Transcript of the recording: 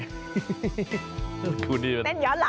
เดี๋ยวอื่นนี้เฮ่ยเที่ยวละ